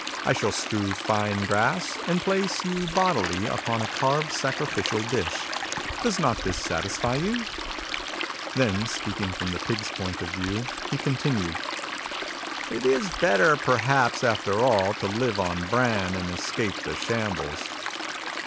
I shall strew fine grass, and place you bodily upon a carved sacrificial dish. Does not this satisfy you ?" Then, speaking from the pigs' point of view, he continued :" It is better, perhaps, after all, to live on bran and escape the shambles.